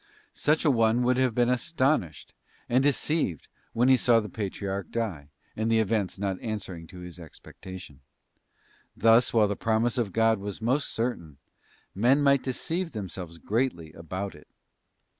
Such an one would have been astonished and deceived when he saw the Patriarch die, and the events not answering to his ex pectation. Thus, while the promise of God was most certain, men might deceive themselves greatly about it.